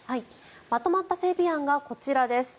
まとまった整備案がこちらです。